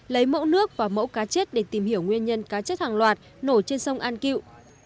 lấy mẫu nước và mẫu cá chết để tìm hiểu nguyên nhân cá chết hàng loạt nổ trên sông an cựu